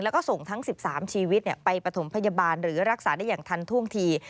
แล้วก็ส่งทั้ง๑๓ชีวิตไปปฐมพยาบาลหรือรักษาได้อย่างทันท่วงที